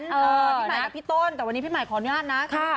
พี่หมายกับพี่ต้นแต่วันนี้พี่ใหม่ขออนุญาตนะ